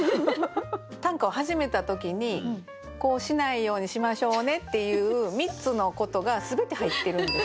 短歌を始めた時にこうしないようにしましょうねっていう３つのことが全て入ってるんです。